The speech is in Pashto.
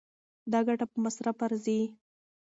دا ګټه په مصرف ارزي.